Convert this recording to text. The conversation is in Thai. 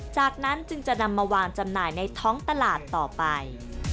จากนั้นจึงจะนำมาวางจำหน่ายในท้องตลาดต่อไป